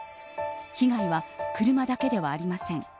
被害は車だけではありません。